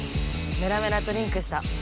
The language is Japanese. メラメラとリンクした。